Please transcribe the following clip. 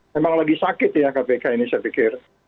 memang lagi sakit ya kpk ini saya pikir